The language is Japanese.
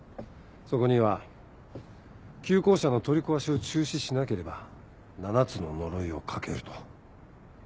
そこには「旧校舎の取り壊しを中止しなければ７つの呪いをかける」と。